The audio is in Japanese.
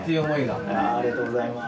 ありがとうございます。